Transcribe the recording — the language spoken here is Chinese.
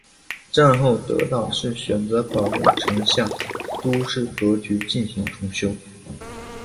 战后德岛市选择保留城下町时期的都市格局进行重建。